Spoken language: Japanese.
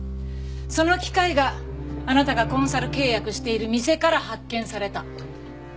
その機械があなたがコンサル契約している店から発見された。